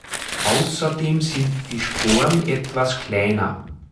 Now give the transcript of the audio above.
Außerdem sind die Sporen etwas kleiner.